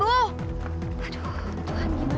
aduh tuhan gimana itu